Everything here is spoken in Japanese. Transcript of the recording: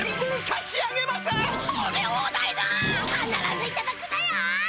かならずいただくだよ！